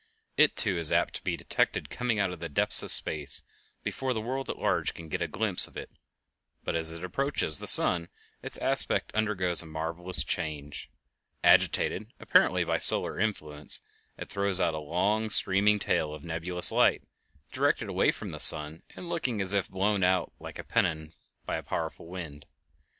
It, too, is apt to be detected coming out of the depths of space before the world at large can get a glimpse of it, but as it approaches the sun its aspect undergoes a marvelous change. Agitated apparently by solar influence, it throws out a long streaming tail of nebulous light, directed away from the sun and looking as if blown out like a pennon by a powerful wind.